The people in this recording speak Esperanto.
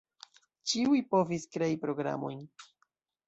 Ĉiuj povis krei programojn.